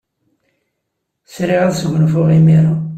Sriɣ ad sgunfuɣ imir-a.